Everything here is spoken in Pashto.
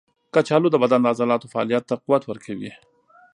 کچالو د بدن د عضلاتو فعالیت ته قوت ورکوي.